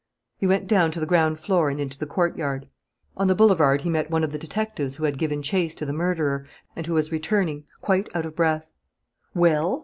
He went down to the ground floor and into the courtyard. On the boulevard he met one of the detectives who had given chase to the murderer and who was returning quite out of breath. "Well?"